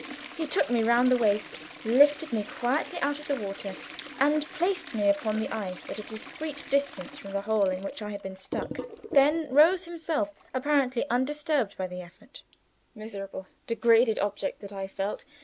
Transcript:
He took me round the waist, lifted me quietly out of the water, and placed me upon the ice at a discreet distance from the hole in which I had been stuck, then rose himself, apparently undisturbed by the effort. Miserable, degraded object that I felt!